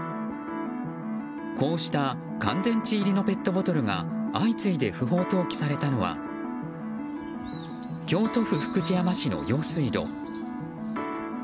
こうした乾電池入りのペットボトルが相次いで不法投棄されたのは京都府福知山市の用水路。